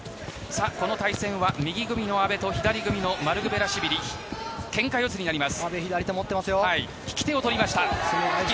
この対戦は右組みの阿部と左組みのマルクベラシュビリけんか四つになります。